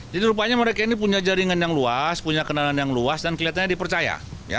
jadi rupanya mereka ini punya jaringan yang luas punya kenalan yang luas dan kelihatannya dipercaya